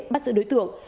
bắt giữ đối tượng